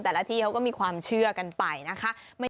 ที่เขาก็มีความเชื่อกันไปนะคะ